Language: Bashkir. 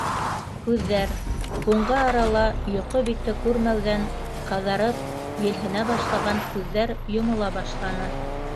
Күҙҙәр, һуңғы арала йоҡо бите күрмәүҙән ҡыҙарып елһенә башлаған күҙҙәр, йомола башланы...